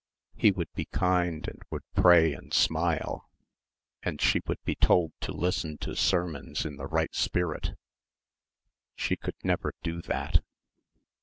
He would be kind and would pray and smile and she would be told to listen to sermons in the right spirit. She could never do that....